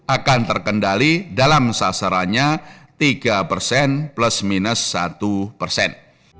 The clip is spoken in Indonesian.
akan terkendali dalam sasarannya tiga persen plus minus satu persen